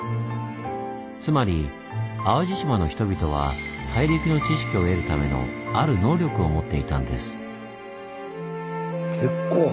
つまり淡路島の人々は大陸の知識を得るためのある能力を持っていたんです。